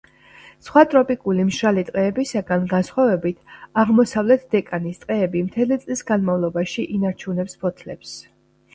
სხვა ტროპიკული მშრალი ტყეებისაგან განსხვავებით, აღმოსავლეთ დეკანის ტყეები მთელი წლის განმავლობაში ინარჩუნებს ფოთლებს.